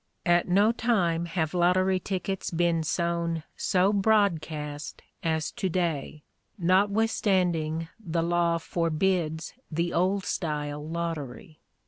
At no time have lottery tickets been sown so broadcast as to day, notwithstanding the law forbids the old style lottery.